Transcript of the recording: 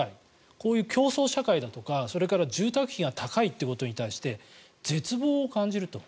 こういう競争社会だとかそれから住宅費が高いということに対して絶望を感じると。